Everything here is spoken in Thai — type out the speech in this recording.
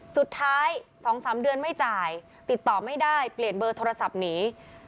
สุดท้าย๒๓เดือนไม่จ่ายติดต่อไม่ได้เปลี่ยนเบอร์โทรศัพท์หนี